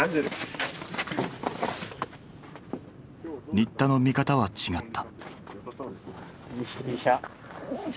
新田の見方は違った。